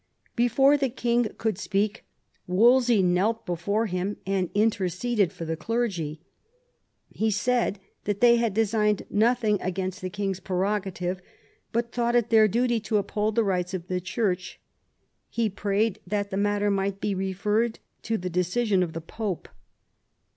Before the king could speak Wolsey knelt before him and interceded for the clergy. He said that they had designed nothing against the king's prerogative, but thought it their duty to uphold the rights of the Church; he prayed that the matter might be referred to the decision of the Pope.